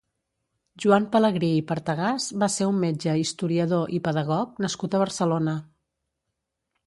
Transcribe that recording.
Joan Pelegrí i Partegàs va ser un metge, historiador i pedagog nascut a Barcelona.